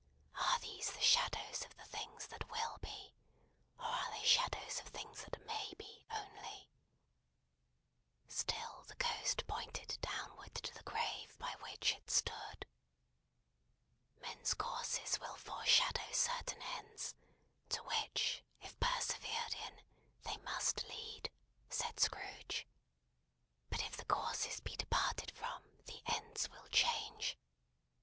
Are these the shadows of the things that Will be, or are they shadows of things that May be, only?" Still the Ghost pointed downward to the grave by which it stood. "Men's courses will foreshadow certain ends, to which, if persevered in, they must lead," said Scrooge. "But if the courses be departed from, the ends will change.